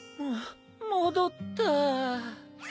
も戻った。